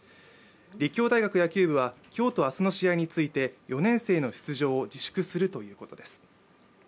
立教大学野球部は今日と明日の試合について４年生の出場を自粛するということです。